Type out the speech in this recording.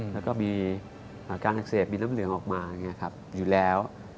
แล้วก็มีการอักเสบมีน้ำเหลืองออกมาอยู่แล้ว